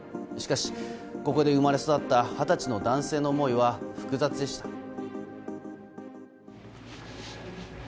しかし、ここで生まれ育った二十歳の男性の思いは複雑でした。